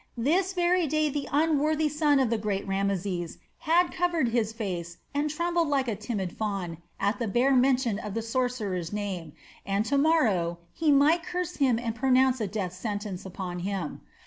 This very day the unworthy son of the great Rameses had covered his face and trembled like a timid fawn at the bare mention of the sorcerer's name, and to morrow he might curse him and pronounce a death sentence upon him.